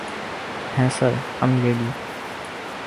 হ্যাঁ স্যার, আমি রেডি।